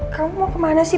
kamu mau kemana sih